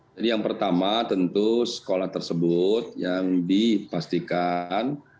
jadi yang pertama tentu sekolah tersebut yang dipastikan